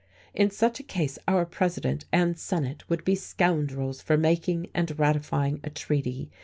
In such a case, our President and Senate would be scoundrels for making and ratifying a treaty.